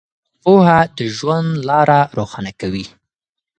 پوهه د ژوند لاره روښانه کوي.